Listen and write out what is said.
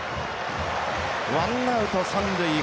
ワンアウト三塁。